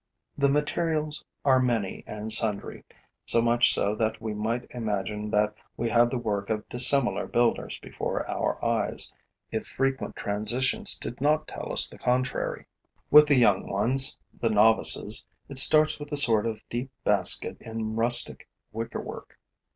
The materials are many and sundry, so much so that we might imagine that we had the work of dissimilar builders before our eyes, if frequent transitions did not tell us the contrary. With the young ones, the novices, it starts with a sort of deep basket in rustic wicker work.